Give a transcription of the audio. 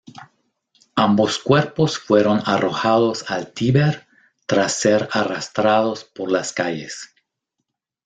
Ambos cuerpos fueron arrojados al Tíber, tras ser arrastrados por las calles.